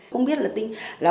không biết là